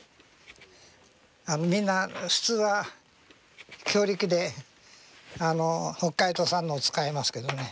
みんな普通は強力で北海道産のを使いますけどね。